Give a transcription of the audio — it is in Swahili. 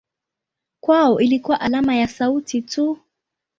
Kwao ilikuwa alama ya sauti tu.